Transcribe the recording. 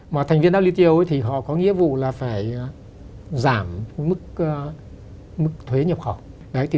mà thành viên wto thì họ có nghĩa vụ là phải giảm mức thuế nhập khẩu